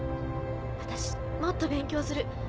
私もっと勉強する。